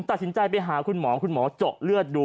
ตัดสินใจไปหาคุณหมอคุณหมอเจาะเลือดดู